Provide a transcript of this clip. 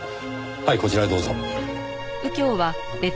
はいこちらへどうぞ。